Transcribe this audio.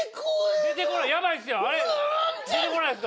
出てこないっすか？